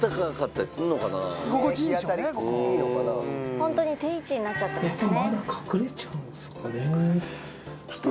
ホントに定位置になっちゃってますね。